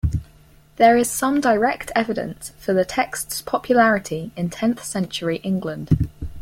There is some direct evidence for the text's popularity in tenth-century England.